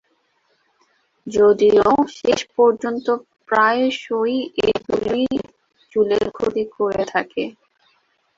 যদিও শেষ পর্যন্ত প্রায়শই এগুলি চুলের ক্ষতি করে থাকে।